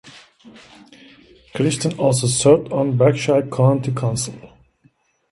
Crichton also served on Berkshire County Council.